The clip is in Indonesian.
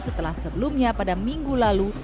setelah sebelumnya pada minggu lalu